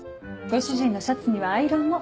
ご主人のシャツにはアイロンも。